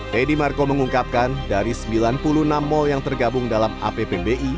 teddy marco mengungkapkan dari sembilan puluh enam mal yang tergabung dalam appbi